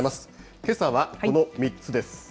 けさはこの３つです。